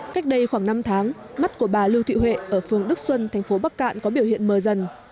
cách đây khoảng năm tháng mắt của bà lưu thị huệ ở phường đức xuân thành phố bắc cạn có biểu hiện mờ dần